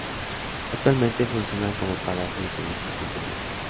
Actualmente funciona como Palacio de Servicios Culturales.